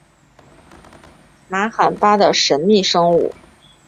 玛罕巴的神秘生物。